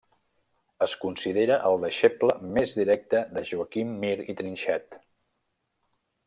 Es considera el deixeble més directe de Joaquim Mir i Trinxet.